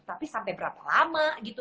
tapi sampai berapa lama gitu